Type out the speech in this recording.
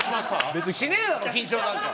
別にしねえだろ緊張なんか。